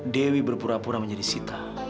dewi berpura pura menjadi sita